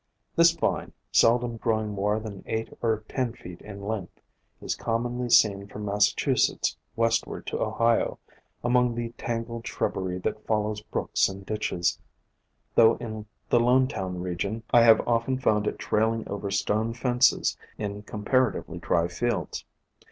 This vine, seldom growing more than eight or ten feet in length, is commonly seen from Massachusetts west ward to Ohio, among the tan gled shrubbery that follows brooks and ditches, though in the Lonetown region I have 178 POISONOUS PLANTS often found it trailing over stone fences in com paratively dry fields.